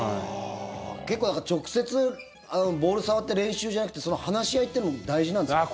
結構、直接ボール触って練習じゃなくて話し合いっていうのも大事なんですか？